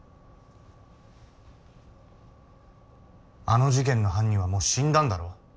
あの事件の犯人はもう死んだんだろ？